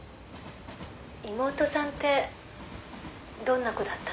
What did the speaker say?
「妹さんってどんな子だったの？」